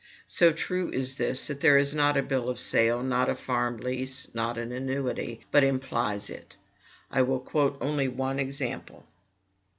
So true is this, that there is not a bill of sale, not a farm lease, not an annuity, but implies it. I will quote only one example.